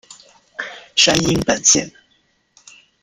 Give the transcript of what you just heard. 山阴本线。